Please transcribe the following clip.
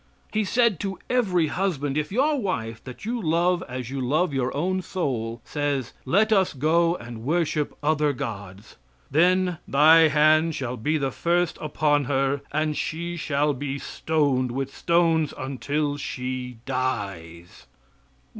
He said to every husband, "If your wife, that you love as you love your own soul, says, 'let us go and worship other gods,' then 'Thy hand shall be first upon her and she shall be stoned with stones until she dies.'"